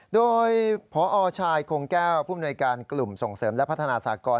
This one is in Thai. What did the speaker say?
โดยพอชายโครงแก้วผู้อำนวยการกลุ่มส่งเสริมและพัฒนาสากร